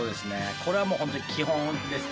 これはもう本当に基本ですね